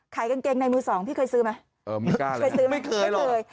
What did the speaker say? ขายกางเกงในมือสองพี่เคยซื้อไหมเออไม่กล้าเลยนะไม่เคยหรอ